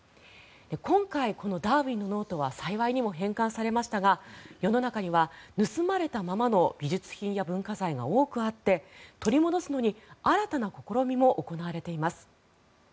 今回、このダーウィンのノートは幸いにも返還されましたが世の中には盗まれたままの美術品や文化財が多くあって取り戻すのに新たな試みも行われています。